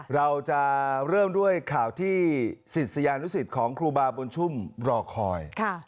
เราจะเริ่มด้วยข่าวที่ศิษยานุสิตของครูบาบุญชุ่มรอคอย